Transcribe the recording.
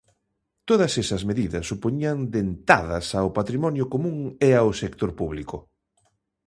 Todas esas medidas supoñían dentadas ao patrimonio común e ao sector público.